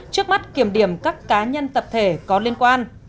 trước mắt kiểm điểm các cá nhân tập thể có liên quan